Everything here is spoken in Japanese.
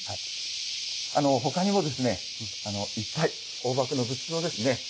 あの他にもですねいっぱい黄檗の仏像ですね。